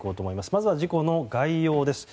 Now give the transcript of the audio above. まずは事故の概要です。